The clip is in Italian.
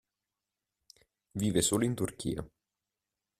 Vive solo in Turchia.